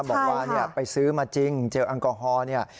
บอกว่าไปซื้อมาจริงเจลแอลกอฮอล์เนี่ย